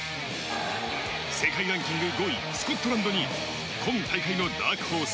世界ランキング５位、スコットランドに今大会のダークホース